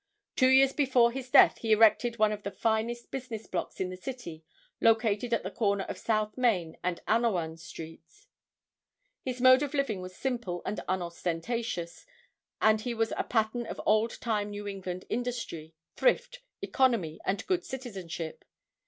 Two years before his death he erected one of the finest business blocks in the city located at the corner of South Main and Anawan streets. His mode of living was simple and unostentatious, and he was a pattern of old time New England industry, thrift, economy and good citizenship.